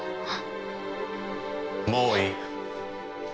もういい。